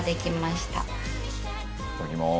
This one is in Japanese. いただきます。